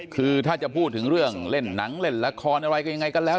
คือถ้าจะพูดถึงเรื่องเล่นหนังเล่นละครอะไรก็ยังไงก็แล้ว